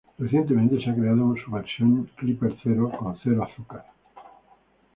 Recientemente se ha creado su versión Clipper Zero con cero azúcar.